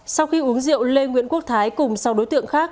sau khi uống rượu lê nguyễn quốc thái cùng sau đối tượng khác